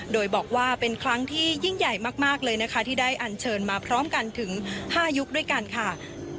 โดยบอกว่าเป็นครั้งที่ยิ่งใหญ่มากเลยนะคะที่ได้อันเชิญมาพร้อมกันถึง๕ยุคด้วยกันค่ะ